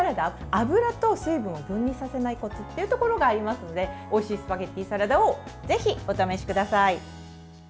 油と水分を分離させないコツというところがありますのでおいしいスパゲッティサラダをぜひお試しください。